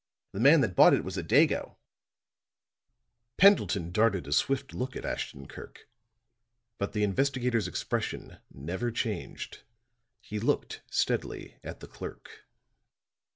The man that bought it was a Dago." Pendleton darted a swift look at Ashton Kirk, but the investigator's expression never changed. He looked steadily at the clock.